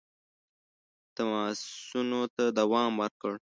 تماسونو ته دوام ورکړ.